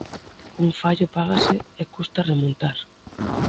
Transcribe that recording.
Un fallo págase e custa remontar.